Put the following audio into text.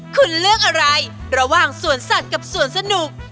คุณเลือกอะไรระหว่างสวนสัตว์กับสวนสนุก